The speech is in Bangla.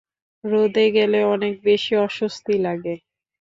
রোদে গেলে অনেক বেশি অস্বস্তি লাগে।